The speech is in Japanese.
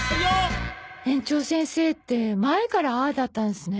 園長先生って前からああだったんですね。